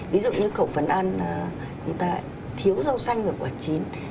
ví dụ như khẩu phần ăn chúng ta lại thiếu rau xanh và quả chín